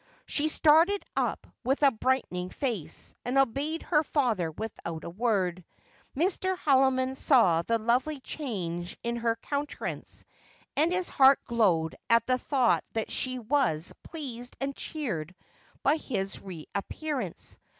She started up with a brightening face, and obeyed her father without a word. Mr. Haldimond saw the lovely change in her countenance, and his heart glowed at the thought that she was pleased and cheered by his reappearance.